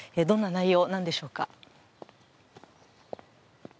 どんな内容なんでしょうか。